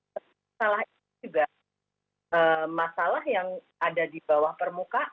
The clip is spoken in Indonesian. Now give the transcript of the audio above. setelah itu juga masalah yang ada di bawah permukaan